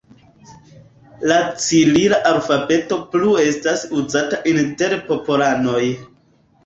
La cirila alfabeto plu estas uzata inter popolanoj.